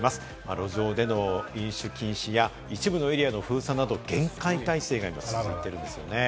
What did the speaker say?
路上での飲酒禁止や一部のエリアの封鎖など厳戒態勢が続いています。